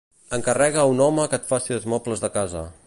Encarrega a un home que et faci els mobles de casa.